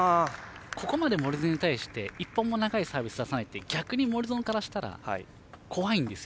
ここまで森薗に対して１本も長いサービス出さないって逆に森薗からしたら怖いんですよ。